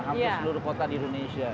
hampir seluruh kota di indonesia